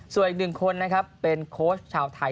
ส่วนอีกหนึ่งคนนะครับเป็นโค้ชชาวไทย